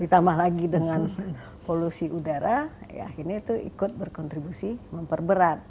ditambah lagi dengan polusi udara ya ini itu ikut berkontribusi memperberat